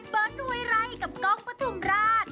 เบิ้ลช่วยไรกับกล้องพัทุมราช